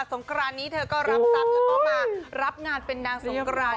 งกรานนี้เธอก็รับทรัพย์แล้วก็มารับงานเป็นนางสงกราน